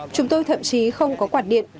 chúng tôi thậm chí không có quạt điện